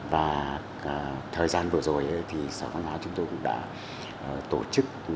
và thời gian vừa rồi thì sở văn hóa chúng tôi cũng đã tổ chức